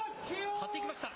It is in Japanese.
張っていきました。